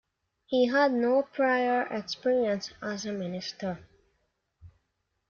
He had no prior experience as a minister.